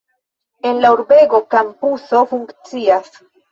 En la urbego kampuso funkcias.